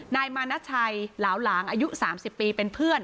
นายมานัชชัยหลาวหลางอายุสามสิบปีเป็นเพื่อน